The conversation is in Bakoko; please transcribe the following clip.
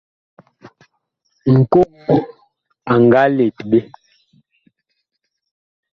Ŋkogo a nga let ɓe.